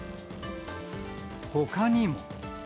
ほかにも。